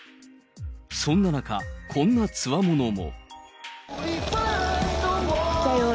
そんな中、こんなつわものも。